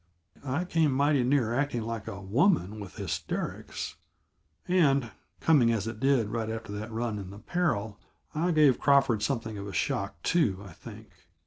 I came mighty near acting like a woman with hysterics and, coming as it did right after that run in the Peril, I gave Crawford something of a shock, too, I think.